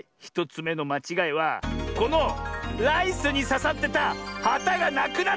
１つめのまちがいはこのライスにささってたはたがなくなってる！